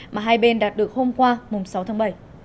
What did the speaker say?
mà hai bên đạt được hôm qua sáu tháng bảy